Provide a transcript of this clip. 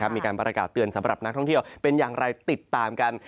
มีการประกาศเตือนสำหรับนักท่องเที่ยวเป็นอย่างไรติดตามกัน